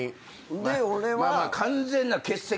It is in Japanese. で俺は。